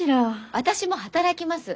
私も働きます。